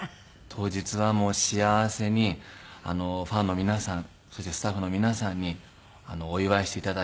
当日は幸せにファンの皆さんそしてスタッフの皆さんにお祝いして頂いて。